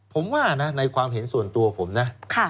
ผมว่านะในความเห็นส่วนตัวผมนะ